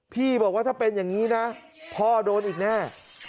บอกว่าถ้าเป็นอย่างนี้นะพ่อโดนอีกแน่